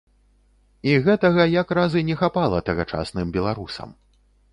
І гэтага, як раз і не хапала тагачасным беларусам.